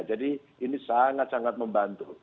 jadi ini sangat sangat membantu